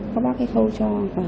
có bác ấy khâu cho